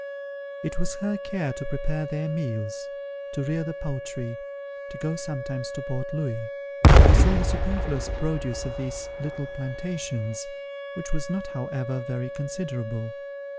It was her care to prepare their meals, to rear the poultry, and go sometimes to Port Louis, to sell the superfluous produce of these little plantations, which was not however, very considerable.